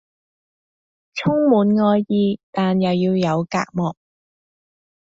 充滿愛意但又要有隔膜